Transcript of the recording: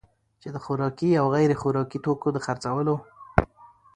چي د خوراکي او غیر خوراکي توکو دخرڅولو